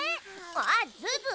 あっズズ